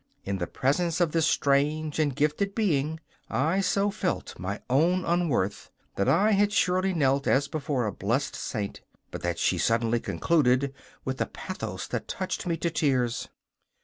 In the presence of this strange and gifted being I so felt my own unworth that I had surely knelt, as before a blessed saint, but that she suddenly concluded, with a pathos that touched me to tears.